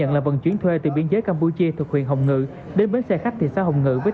mô tô chuyển thuê từ biên giới campuchia thuộc huyện hồng ngự đến bến xe khách thị xã hồng ngự với